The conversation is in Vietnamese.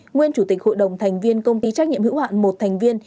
nguyên chủ tịch hội đồng thành viên công ty trách nhiệm hữu hạn một thành viên